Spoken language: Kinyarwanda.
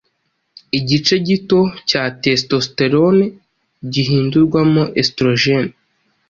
igice gito cya testosterone gihindurwamo estrogene